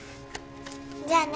じゃあね。